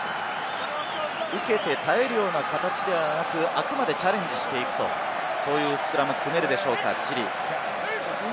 受けて耐えるような形ではなく、あくまでチャレンジしていくと、そういうスクラムを組めるでしょうか、チリ。